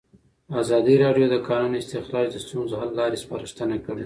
ازادي راډیو د د کانونو استخراج د ستونزو حل لارې سپارښتنې کړي.